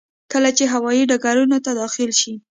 کله چې هوايي ډګرونو ته داخل شي.